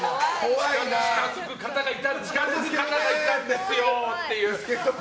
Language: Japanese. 近づく方がいたんですよって。